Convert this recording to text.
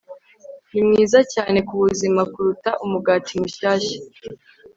ni mwiza cyane ku buzima kuruta umugati mushyashya